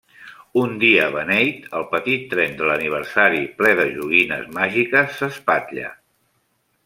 Un dia beneit, el petit tren de l'aniversari ple de joguines màgiques s'espatlla.